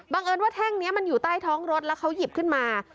เอิญว่าแท่งนี้มันอยู่ใต้ท้องรถแล้วเขาหยิบขึ้นมา